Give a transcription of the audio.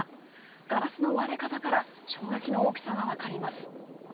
ガラスの割れ方から衝撃の大きさがわかります。